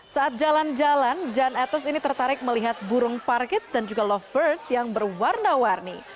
saat jalan jalan jan etes ini tertarik melihat burung parkit dan juga lovebird yang berwarna warni